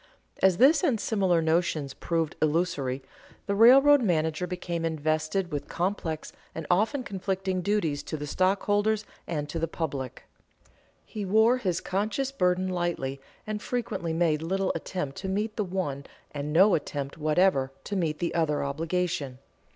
As this and similar notions proved illusory, the railroad manager became invested with complex and often conflicting duties to the stockholders and to the public. He wore his conscience burden lightly, and frequently made little attempt to meet the one and no attempt whatever to meet the other obligation.